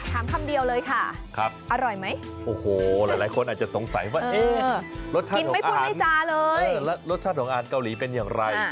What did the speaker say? ถามคำเดียวเลยค่ะอร่อยไหมโอ้โหหลายคนอาจจะสงสัยว่ารสชาติของอาหารเกาหลีเป็นอย่างไร